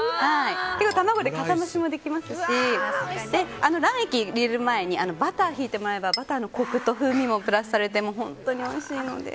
卵で、かさ増しもできますし卵液に入れる前にバターを引いてもらえばバターのコクと風味もプラスされて本当においしいので。